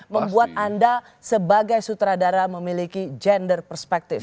membuat anda sebagai sutradara memiliki gender perspektif